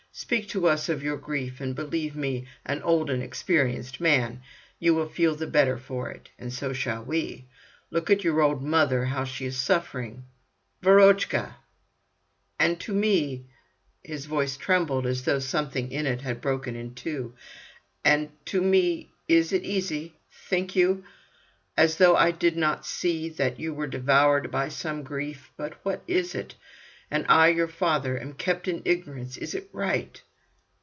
Speak to us of your grief, and believe me, an old and experienced man, you will feel the better for it. And so shall we. Look at your old mother, how she is suffering." "Verochka——!" "And to me——" his voice trembled, as though something in it had broken in two, "and to me, is it easy, think you? As though I did not see that you were devoured by some grief, but what is it? And I, your father, am kept in ignorance. Is it right?"